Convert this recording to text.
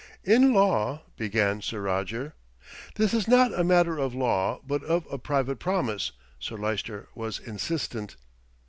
"In law " began Sir Roger. "This is not a matter of law, but of a private promise." Sir Lyster was insistent.